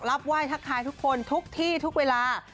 ไหว้ทักทายทุกคนทุกที่ทุกเวลา